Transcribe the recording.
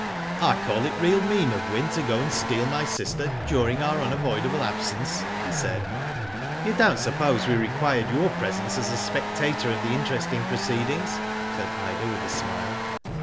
I call it real mean of Wyn to go and steal my sister during our unavoidable absence," he said. *'You don't suppose we required your presence as a spectator of the interesting proceedings," said Ida, with a smile.